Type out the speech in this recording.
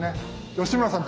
吉村さん